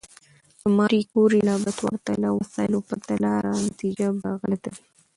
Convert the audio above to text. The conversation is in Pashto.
که ماري کوري لابراتوار ته له وسایلو پرته لاړه، نتیجه به غلطه وي.